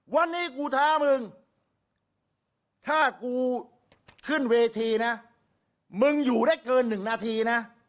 วันนี้กูท้ามึงถ้ากูขึ้นเวทีนะมึงอยู่ได้เกิน๑นาทีนะ